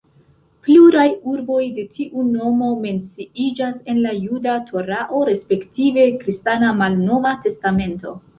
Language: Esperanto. Pluraj urboj de tiu nomo menciiĝas en la juda torao respektive kristana malnova testamento.